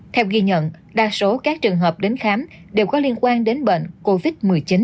theo ghi nhận đa số các trường hợp đến khám đều có liên quan đến bệnh covid một mươi chín